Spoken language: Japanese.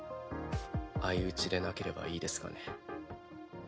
相打ちでなければいいですがね。